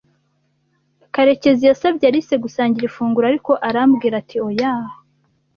Karekezi yasabye Alice gusangira ifunguro, ariko arambwira ati oya.